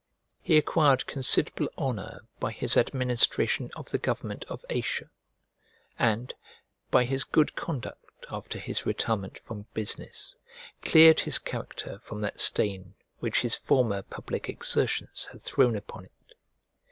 He acquired considerable honour by his administration of the government of Asia, and, by his good conduct after his retirement from business, cleared his character from that stain which his former public exertions had thrown upon it.